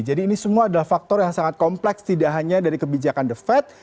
jadi ini semua adalah faktor yang sangat kompleks tidak hanya dari kebijakan the fed